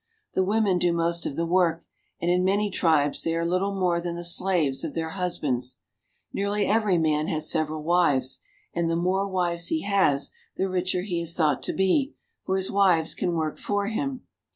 The women do most of the work, and in many tribes they are little more than the slaves of their husbands. Nearly every man has several wives, and the more wives he has the richer he is thought to be, for his wives can work for him.